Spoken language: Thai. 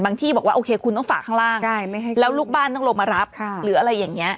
ที่บอกว่าโอเคคุณต้องฝากข้างล่างแล้วลูกบ้านต้องลงมารับหรืออะไรอย่างนี้